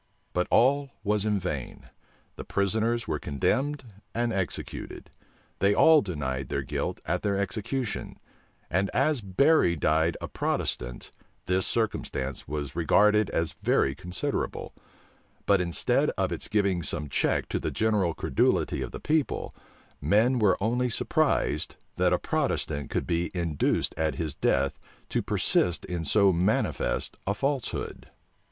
But all was in vain: the prisoners were condemned and executed. They all denied their guilt at their execution; and as Berry died a Protestant, this circumstance was regarded as very considerable: but, instead of its giving some check to the general credulity of the people, men were only surprised, that a Protestant could be induced at his death to persist in so manifest a falsehood.